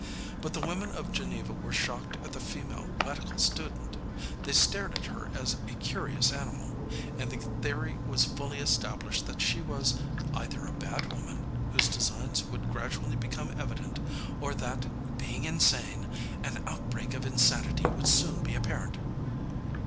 But the women of Geneva were shocked at the female medical student. They stared at her as a curious animal; and the theory was fully established that she was "either a bad woman, whose designs would gradually become evident, or that, being insane, an outbreak of insanity would soon be apparent."